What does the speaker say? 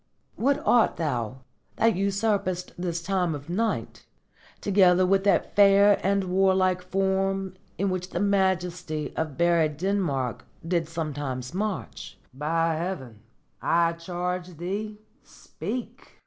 _ What art thou, that usurp'st this time of night, Together with that fair and warlike form In which the majesty of buried Denmark Did sometimes march? By Heaven I charge thee, speak!